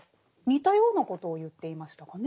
似たようなことを言っていましたかね。